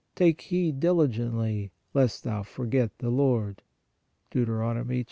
. take heed diligently lest thou forget the Lord " (Deut.